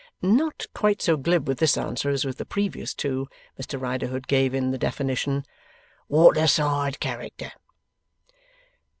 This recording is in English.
Not quite so glib with this answer as with the previous two, Mr Riderhood gave in the definition, 'Waterside character.